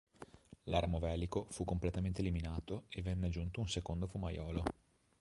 L'armo velico fu completamente eliminato e venne aggiunto un secondo fumaiolo.